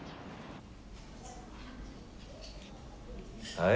はい。